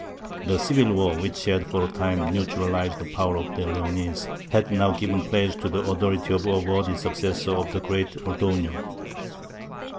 The civil war, which had for a time neutralized the power of the Leonese, had now given place to the authority of a worthy successor of the great Ordoño.